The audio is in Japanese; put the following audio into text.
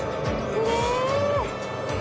きれい。